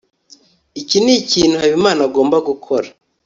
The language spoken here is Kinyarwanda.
iki nikintu habimana agomba gukora